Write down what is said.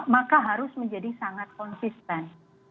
maka harus menjadi sangat konsisten